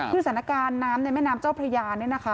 คือสถานการณ์น้ำในแม่น้ำเจ้าพระยา